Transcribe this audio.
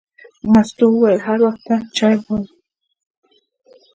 مستو وویل: هر وخت ته چای غواړې.